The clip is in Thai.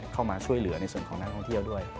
เข้ามาช่วยเหลือในส่วนของนักท่องเที่ยวด้วย